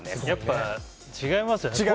やっぱり違いますよね。